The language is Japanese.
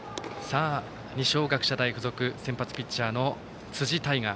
二松学舎大付属先発ピッチャーの辻大雅。